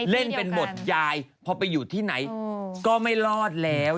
เล่นเป็นบทยายพอไปอยู่ที่ไหนก็ไม่รอดแล้ว